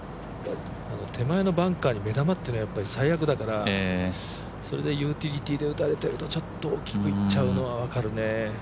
手前のバンカーに目玉っていうのは最悪だからそれでユーティリティーで打たれてちょっと大きくいっちゃうのは分かるね。